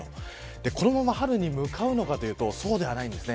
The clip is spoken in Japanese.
このまま春に向かうのかというとそうではないんですね。